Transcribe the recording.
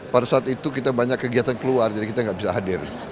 pada saat itu kita banyak kegiatan keluar jadi kita nggak bisa hadir